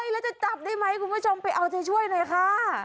แล้วจะจับได้ไหมคุณผู้ชมไปเอาใจช่วยหน่อยค่ะ